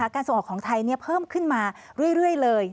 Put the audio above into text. ส่งออกของไทยเพิ่มขึ้นมาเรื่อยเลย